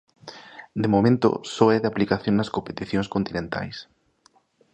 De momento só é de aplicación nas competicións continentais.